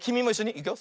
いくよ。